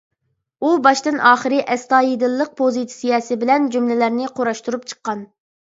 ئۇ باشتىن ئاخىرى ئەستايىدىللىق پوزىتسىيەسى بىلەن جۈملىلەرنى قۇراشتۇرۇپ چىققان.